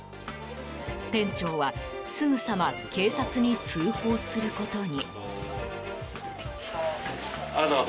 店長はすぐさま警察に通報することに。